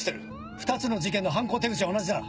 ２つの事件の犯行手口は同じだ。